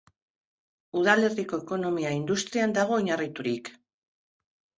Udalerriko ekonomia industrian dago oinarriturik.